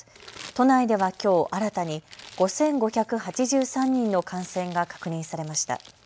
都内ではきょう新たに５５８３人の感染が確認されました。